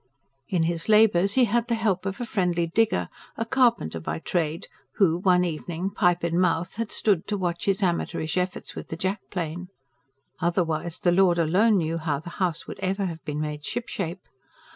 In his labours he had the help of a friendly digger a carpenter by trade who one evening, pipe in mouth, had stood to watch his amateurish efforts with the jack plane. Otherwise, the Lord alone knew how the house would ever have been made shipshape.